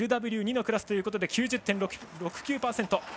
ＬＷ１２のクラスということで９０．６９％。